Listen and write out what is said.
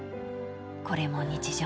これも日常。